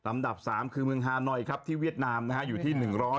อันดับ๓คือเมืองฮานอยที่เวียดนามอยู่ที่๑๖๕